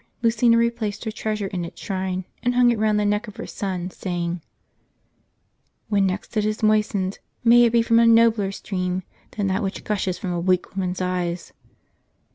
Lucina replaced her treasure in its shrine, and hung it round the neck of her son, saying :" When next it is moistened, may it be from a nobler stream than that which gushes from a weak woman's eyes